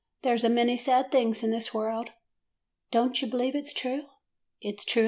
There 's a many sad things in this world.' " 'Don't you believe it 's true?